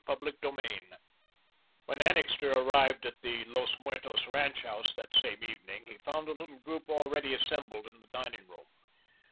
CHAPTER III When Annixter arrived at the Los Muertos ranch house that same evening, he found a little group already assembled in the dining room.